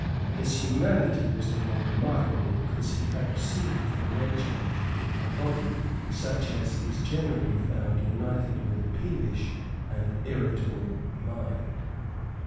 His humanity was the more remarkable, because he had received from nature a body such as is generally found united with a peevish and irritable mind.